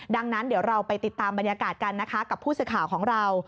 ดังนั้นเดี๋ยวเราไปติดตามบรรยากาศกันนะคะกับผู้สื่อข่าวของเรา